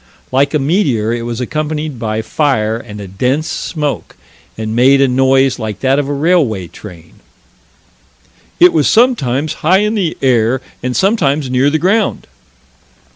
Like a meteor it was accompanied by fire and a dense smoke and made a noise like that of a railway train. "It was sometimes high in the air and sometimes near the ground."